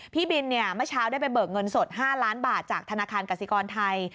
พี่บินเมื่อเช้าได้ไปเบิกเงินสด๕ล้านบาทจากธนาคารกสิกรไทย